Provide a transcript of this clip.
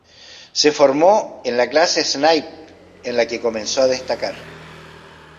Se formó en la clase Snipe, en la que comenzó a destacar.